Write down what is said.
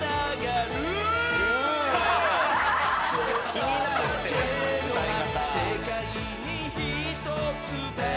気になるって歌い方。